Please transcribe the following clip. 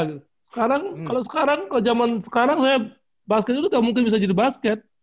sekarang kalau zaman sekarang basket itu nggak mungkin bisa jadi basket